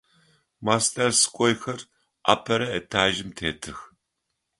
Мастерскойхэр апэрэ этажым тетых.